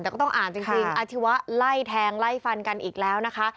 แต่ก็ต้องอ่านจริงอาชีวะไล่แทงไล่ฟันกันอีกแล้วนะคะ